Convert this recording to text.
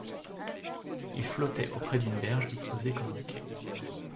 Il flottait auprès d’une berge disposée comme un quai.